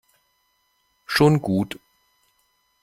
Schon gut.